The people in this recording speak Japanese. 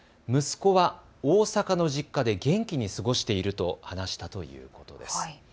息子は大阪の実家で元気に過ごしていると話したということです。